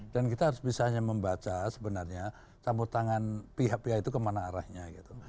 dan kita harus bisa hanya membaca sebenarnya campur tangan pihak pihak itu kemana arahnya gitu